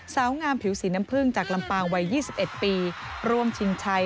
สาวงามผิวสีน้ำผึ้งจากลำปางวัย๒๑ปีร่วมชิงชัย